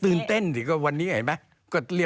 ตื่นเต้นสิก็วันนี้เห็นไหม